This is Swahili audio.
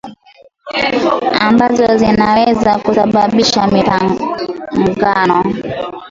ambazo zinaweza kusababisha mapigano